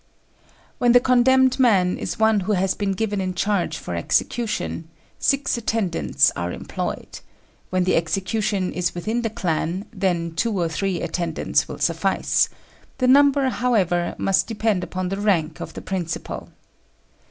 When the condemned man is one who has been given in charge for execution, six attendants are employed; when the execution is within the clan, then two or three attendants will suffice; the number, however, must depend upon the rank of the principal.